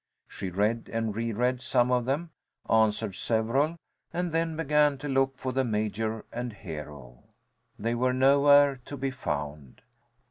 She read and re read some of them, answered several, and then began to look for the Major and Hero. They were nowhere to be found.